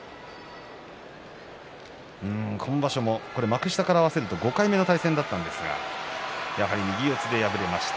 今場所もこれ幕下から合わせると５回目の対戦だったんですがやはり右四つで敗れました。